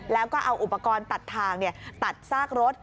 แล้วก็เอาอุปกรณ์ตัดทางตัดซากรถ